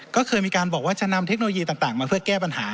ก็เคยมีการบอกว่าจะนำเทคโนโลยีต่างมาเพื่อแก้ปัญหา